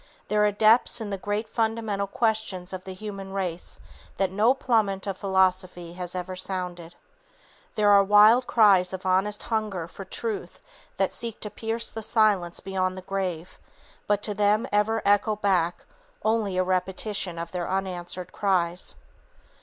There are depths in the great fundamental questions of the human race that no plummet of philosophy has ever sounded. There are wild cries of honest hunger for truth that seek to pierce the silence beyond the grave, but to them ever echo back, only a repetition of their unanswered cries.